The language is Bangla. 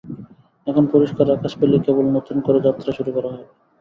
এখন পরিষ্কার আকাশ পেলেই কেবল নতুন করে যাত্রা শুরু করা হবে।